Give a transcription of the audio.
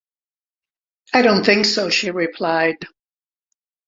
“I don’t think so,” she replied.